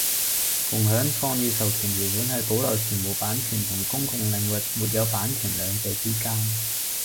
共享創意授權條款係保留全部版權同公共領域沒有版權兩者之間